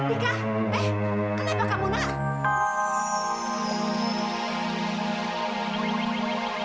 ini sih ini